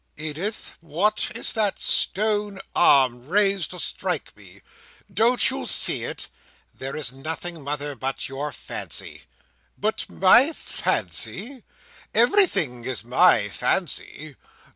"Edith, what is that stone arm raised to strike me? Don't you see it?" "There is nothing, mother, but your fancy." "But my fancy! Everything is my fancy.